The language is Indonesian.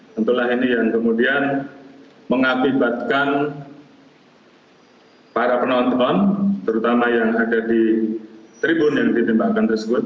tentulah ini yang kemudian mengakibatkan para penonton terutama yang ada di tribun yang ditembakkan tersebut